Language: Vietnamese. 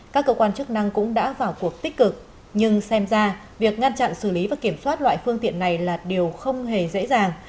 các cơ quan chức năng cũng đã vào cuộc tích cực nhưng xem ra việc ngăn chặn xử lý và kiểm soát loại phương tiện này là điều không hề dễ dàng